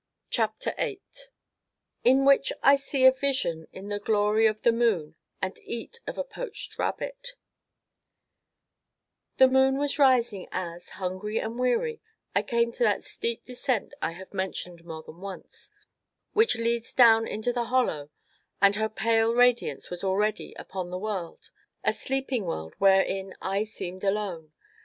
CHAPTER VIII IN WHICH I SEE A VISION IN THE GLORY OF THE MOON, AND EAT OF A POACHED RABBIT The moon was rising as, hungry and weary, I came to that steep descent I have mentioned more than once, which leads down into the Hollow, and her pale radiance was already, upon the world a sleeping world wherein I seemed alone.